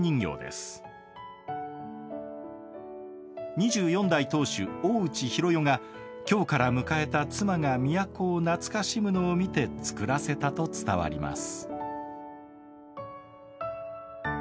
２４代当主大内弘世が京から迎えた妻が都を懐かしむのを見て作らせたと伝わります。